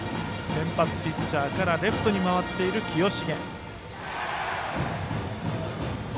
先発ピッチャーからレフトに回っている清重。